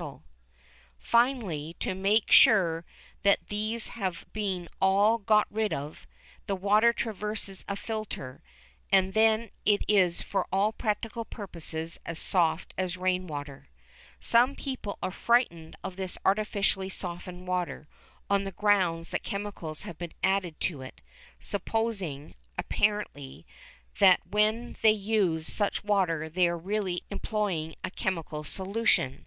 [Illustration: SECTIONAL VIEW OF HYDRAULIC BUFFER AND RUNNING OUT PRESSES OF A 60 POUNDER GUN] Finally, to make sure that these have been all got rid of, the water traverses a filter, and then it is for all practical purposes as soft as rain water. Some people are frightened of this artificially softened water, on the ground that chemicals have been added to it, supposing, apparently, that when they use such water they are really employing a chemical solution.